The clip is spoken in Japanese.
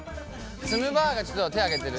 ツムばあがちょっと手挙げてる。